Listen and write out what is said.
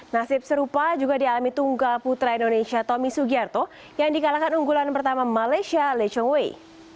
nasib serupa juga dialami tunggal putra indonesia tommy sugiarto yang dikalahkan unggulan pertama malaysia lee chong wei